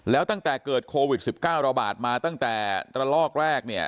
แล้วตั้งแต่เกิดโควิด๑๙ระบาดมาตั้งแต่ระลอกแรกเนี่ย